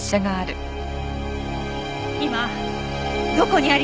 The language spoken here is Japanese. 今どこにありますか？